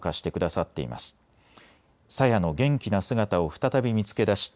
さやの元気な姿を再び見つけ出し